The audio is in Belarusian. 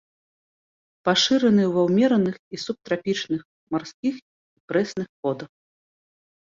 Пашыраны ва ўмераных і субтрапічных марскіх і прэсных водах.